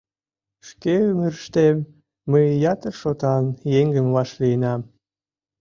Шке ӱмырыштем мый ятыр шотан еҥым вашлийынам.